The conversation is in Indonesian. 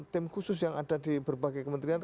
tim khusus yang ada di berbagai kementerian